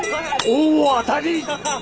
大当たり！